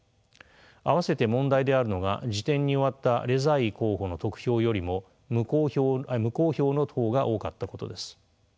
併せて問題であるのが次点に終わったレザイ候補の得票よりも無効票の方が多かったことです。